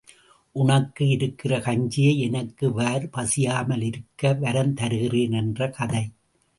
உனக்கு இருக்கிற கஞ்சியை எனக்கு வார் பசியாமல் இருக்க வரந் தருகிறேன் என்ற கதை.